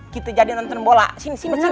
kita jadi nonton bola